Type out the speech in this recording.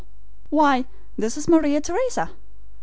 Why, this is Maria Theresa!"